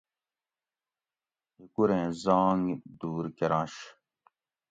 ھیکوریں زانگ دور کرنش